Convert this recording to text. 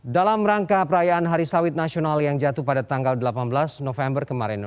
dalam rangka perayaan hari sawit nasional yang jatuh pada tanggal delapan belas november kemarin